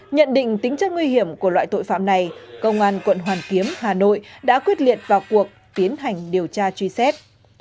nhận định tính chất nguy hiểm của loại tội phạm này công an quận hoàn kiếm hà nội đã quyết liệt vào cuộc tiến hành điều tra truy xét